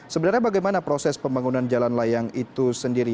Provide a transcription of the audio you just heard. sebenarnya bagaimana proses pembangunan jalan layang itu sendiri